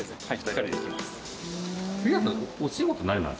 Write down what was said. ２人で行きます。